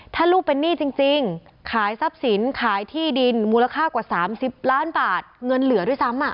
ถ้าลูกเป็นหนี้จริงขายทรัพย์สินขายที่ดินมูลค่ากว่า๓๐ล้านบาทเงินเหลือด้วยซ้ำ